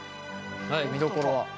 はい見どころは？